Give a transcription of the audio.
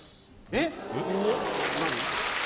えっ！何？